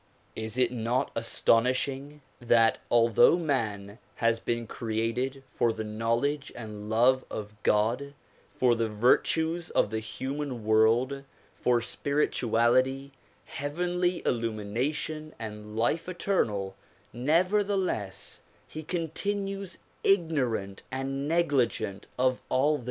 Is it not astonishing that although man has been created for the knowledge and love of God, for the virtues of the human world, for spirituality, heavenly illumination and life eternal, nevertheless he continues ignorant and negligent of all this?